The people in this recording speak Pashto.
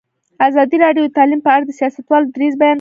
ازادي راډیو د تعلیم په اړه د سیاستوالو دریځ بیان کړی.